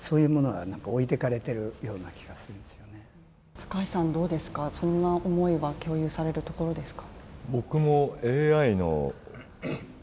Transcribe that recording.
高橋さん、どうですか、そんな思いは共有されるところですか？